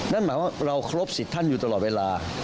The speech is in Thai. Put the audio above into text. นั่นหมายว่าเราครบสิทธิ์ท่านอยู่ตลอดเวลา